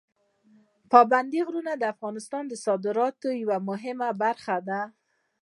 پابندي غرونه د افغانستان د صادراتو یوه مهمه برخه ده.